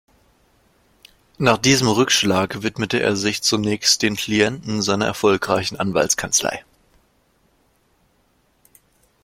Nach diesem Rückschlag widmete er sich zunächst den Klienten seiner erfolgreichen Anwaltskanzlei.